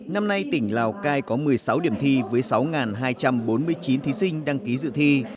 năm nay tỉnh lào cai có một mươi sáu điểm thi với sáu hai trăm bốn mươi chín thí sinh đăng ký dự thi